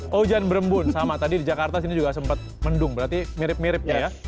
hujan berembun sama tadi di jakarta sini juga sempat mendung berarti mirip miripnya ya